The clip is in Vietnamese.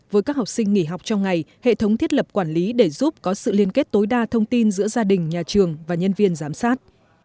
với các học sinh nghỉ học trong ngày hệ thống thiết lập quản lý để giúp có sự liên kết tối đa thông tin giữa gia đình nhà trường và nhân viên giám sát